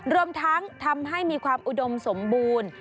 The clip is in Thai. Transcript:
รวมทั้งทำให้มีความอุดมสมบูรณ์